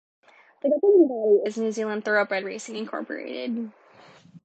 The governing body is New Zealand Thoroughbred Racing Incorporated.